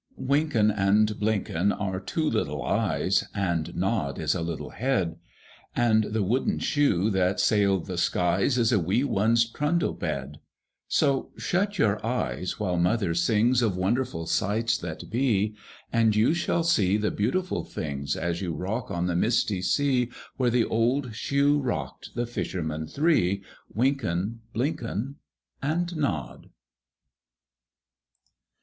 Wynken and Blynken are two little eyes, And Nod is a little head, And the wooden shoe that sailed the skies Is a wee one's trundle bed; So shut your eyes while Mother sings Of wonderful sights that be, And you shall see the beautiful things As you rock on the misty sea Where the old shoe rocked the fishermen three, Wynken, Blynken, And Nod.